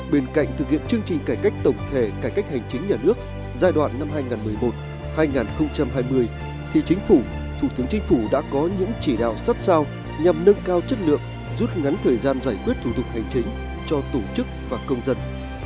bên cạnh thực hiện chương trình cải cách tổng thể cải cách hành chính nhà nước giai đoạn năm hai nghìn một mươi một hai nghìn hai mươi thì chính phủ thủ tướng chính phủ đã có những chỉ đạo sắt sao nhằm nâng cao chất lượng rút ngắn thời gian giải quyết thủ tục hành chính cho tổ chức và công dân